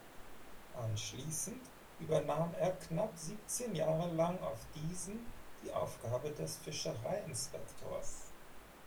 Anschließend übernahm er knapp siebzehn Jahre lang auf diesen die Aufgabe des Fischerei-Inspektors.